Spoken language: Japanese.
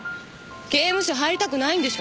刑務所入りたくないんでしょ？